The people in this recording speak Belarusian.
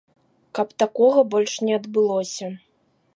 Каб такога больш не адбылося.